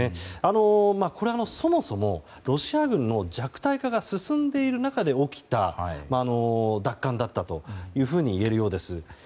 これ、そもそもロシア軍の弱体化が進んでいる中で起きた奪還だったというふうにいえるようです。